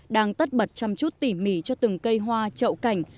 đang tất bật chăm chút tỉ mỉ cho từng cây hoa trậu cảnh